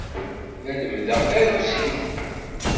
La lemmdeɣ tarusit.